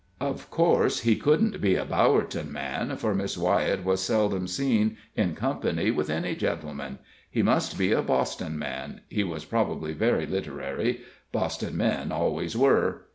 Of course he couldn't be a Bowerton man, for Miss Wyett was seldom seen in company with any gentleman. He must he a Boston man he was probably very literary Boston men always were.